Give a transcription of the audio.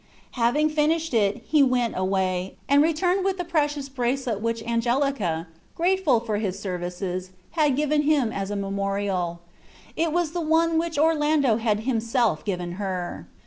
Having finished it, he went away, and returned with the precious bracelet which Angelica, grateful for his services, had given him as a memorial. It was the one which Orlando had himself given her.